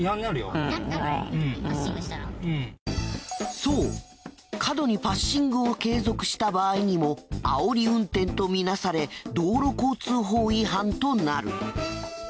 そう過度にパッシングを継続した場合にもあおり運転とみなされ道路交通法違反となる。